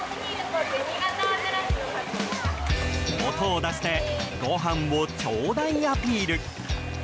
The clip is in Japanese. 音を出してごはんをちょうだいアピール。